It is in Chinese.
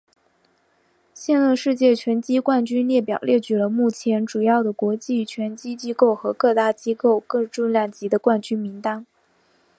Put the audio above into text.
现任世界拳击冠军列表列举了目前主要的国际拳击机构和各大机构各重量级的冠军名单。